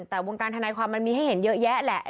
แต่วงการทนายความมันมีให้เห็นเยอะแยะแหละ